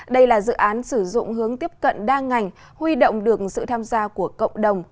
đây là dự án sử dụng hướng tiếp cận đa ngành huy động được sự tham gia của cộng đồng